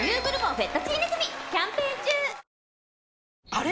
あれ？